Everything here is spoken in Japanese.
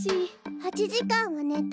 ８じかんはねた。